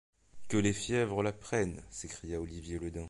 Que les fiebvres la prennent! s’écria Olivier le Daim.